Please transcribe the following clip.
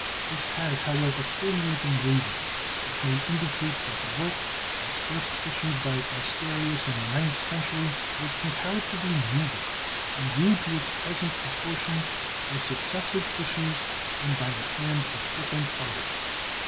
This has, however, forty eight engravings, which may indicate that the work, as first issued by Ausgarius in the ninth century, was comparatively meagre, and grew to its present proportions by successive issues and by the hand of different artists.